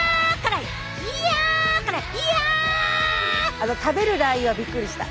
あの食べるラー油はびっくりした。